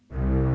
pergi ke rumah